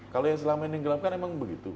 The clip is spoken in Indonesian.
kalau yang selama ini di tenggelamkan emang begitu